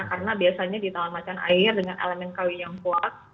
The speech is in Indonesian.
karena biasanya di tahun macan air dengan elemen kawi yang kuat